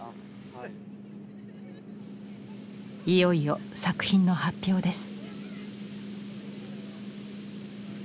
いよいよ作品の発表です。